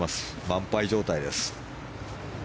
満杯状態です。